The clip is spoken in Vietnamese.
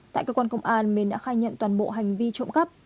tại cơ quan công an minh đã khai nhận toàn bộ hành vi trộm cắp